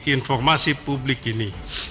informasi publik ini